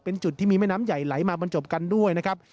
เป็นจุดที่มีแม่น้ำใหญ่ไหลมาบรรจบกันด้วยนะครับ